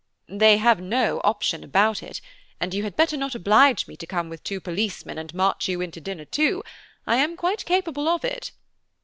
"They have no option about it, and you had better not oblige me to come with two policemen and march you in to dinner too, I am quite capable of it.